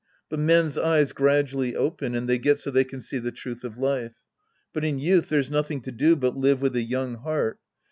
But men's eyes gradually open and they get so they can see the truth of life. But in youth there's nothing to do but live with a young heart.